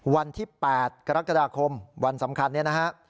วันที่๘กรกฎาคมวันสำคัญเนี่ยนะฮะ